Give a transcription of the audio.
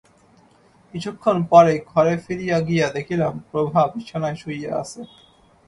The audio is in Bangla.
কিছুক্ষণ পরে ঘরে ফিরিয়া গিয়া দেখিলাম প্রভা বিছানায় শুইয়া আছে।